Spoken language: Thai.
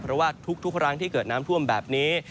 เพราะว่าทุกครั้งที่เกิดน้ำท่วมแบบนี้